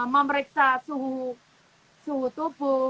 memeriksa suhu tubuh